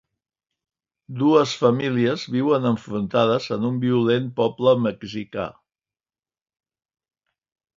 Dues famílies viuen enfrontades en un violent poble mexicà.